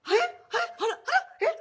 えっ！